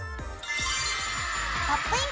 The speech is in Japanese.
「ポップイン！